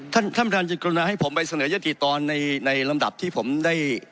ท่านท่านคุณกำลังให้ผมไปเสนอยฤษฐีตอนในลำดับที่ผมได้